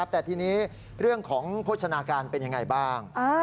แต่ทีนี้เรื่องของโภชนาการเป็นยังไงบ้าง